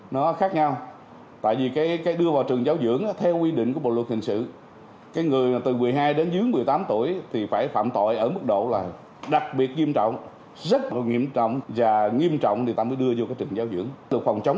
nó khác nhau tại vì cái đưa vào trường giáo dưỡng theo quy định của bộ luật hình sự cái người từ một mươi hai đến dưới một mươi tám tuổi thì phải phạm tội ở mức độ là đặc biệt nghiêm trọng rất nghiêm trọng và nghiêm trọng thì ta mới đưa vô trường giáo dưỡng